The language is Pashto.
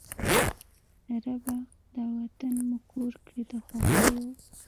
ربه! دا وطن مو کور کړې د خوښیو